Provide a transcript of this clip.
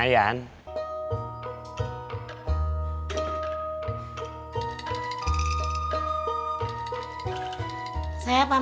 kejalan ya udah